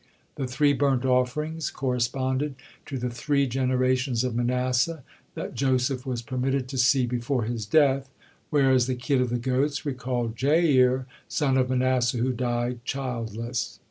The three burnt offerings corresponded to the three generations of Manasseh that Joseph was permitted to see before his death, whereas the kid of the goats recalled Jair, son of Manasseh, who died childless.